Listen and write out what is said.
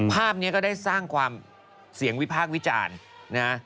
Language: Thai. ภาพนี้ก็ได้สร้างความเสียงวิพากษ์วิจารณ์นะ